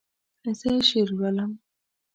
زه شعر لولم.